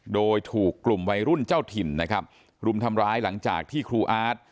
โดยถูกกลุ่มวัยรุ่นเจ้าถิ่นนะครับรุมทำร้ายหลังจากที่ครูอาร์ต